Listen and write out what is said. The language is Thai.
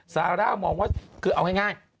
ซาร่ามองว่าคือเอาง่าย